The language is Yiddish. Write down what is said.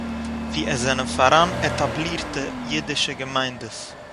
וואו עס זענען פאַראַן עטאַבלירטע אידישע געמיינדעס